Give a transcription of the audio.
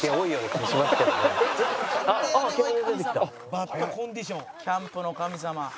「バッドコンディション」「キャンプの神様」